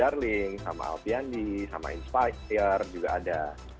ada darlings sama alpandi sama inspire juga ada